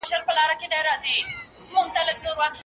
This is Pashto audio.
د موزيم ماهر غلطي نه کوي.